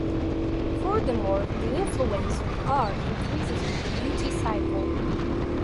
Furthermore, the influence of "R" increases with the duty cycle.